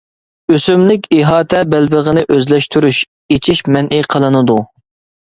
ئۆسۈملۈك ئىھاتە بەلبېغىنى ئۆزلەشتۈرۈش، ئېچىش مەنئى قىلىنىدۇ.